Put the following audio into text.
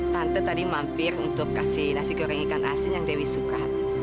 tante tadi mampir untuk kasih nasi goreng ikan asin yang dewi suka